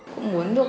cũng muốn được